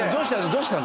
どうしたの？